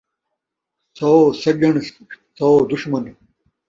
سو سڄݨ ، سو دشمن